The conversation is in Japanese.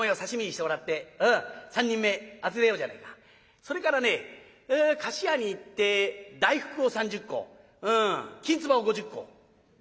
それからね菓子屋に行って大福を３０個きんつばを５０個」。